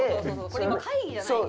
これ今会議じゃない。